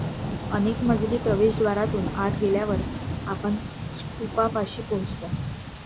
अनेकमजली प्रवेशद्वारातून आत गेल्यावर आपण स्तूपापाशी पोचतो.